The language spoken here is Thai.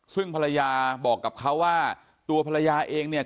ซึ่งภรรยาบอกกับเขาว่าตัวภรรยาเองเนี่ย